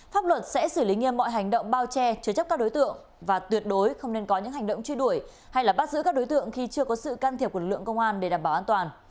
pháp luật sẽ xử lý nghiêm mọi hành động bao che chứa chấp các đối tượng và tuyệt đối không nên có những hành động truy đuổi hay bắt giữ các đối tượng khi chưa có sự can thiệp của lực lượng công an để đảm bảo an toàn